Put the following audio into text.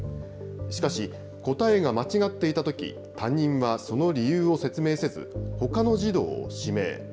しかし、答えが間違っていたとき、担任はその理由を説明せず、ほかの児童を指名。